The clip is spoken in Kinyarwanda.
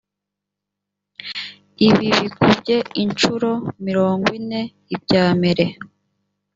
ibibikubye incuro mirongwine ibyamere.